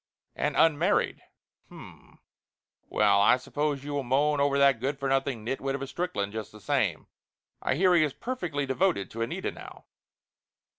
And unmarried. H'm ! Well, I suppose you will moan over that good for nothing nitwit of a Strickland, just the same. I hear he is perfectly devoted to Anita now."